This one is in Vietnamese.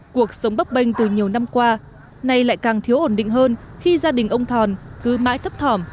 cuộc sống bấp bênh từ nhiều năm qua nay lại càng thiếu ổn định hơn khi gia đình ông thòn cứ mãi thấp thỏm